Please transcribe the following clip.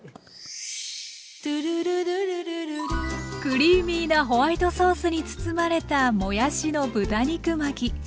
クリーミーなホワイトソースに包まれたもやしの豚肉巻き。